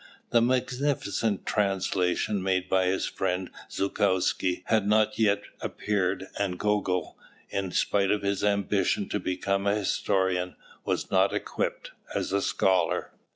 The magnificent translation made by his friend Zhukovsky had not yet appeared and Gogol, in spite of his ambition to become a historian, was not equipped as a scholar.